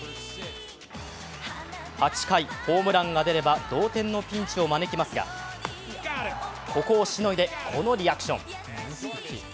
８回、ホームランが出れば同点のピンチを招きますがここをしのいで、このリアクション。